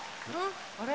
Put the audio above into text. あれ？